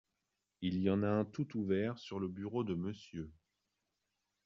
Il y en a un tout ouvert sur le bureau de Monsieur.